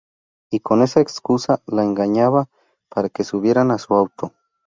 Y con esa excusa las engañaba para que subieran a su auto.